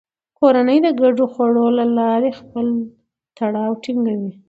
کورنۍ د ګډو خوړو له لارې خپل تړاو ټینګوي